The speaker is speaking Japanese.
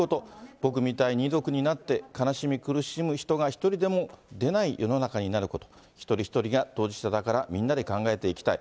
僕みたいに遺族になって悲しみ苦しむ人が一人でも出ない世の中になること、一人一人が当事者だからみんなで考えていきたい。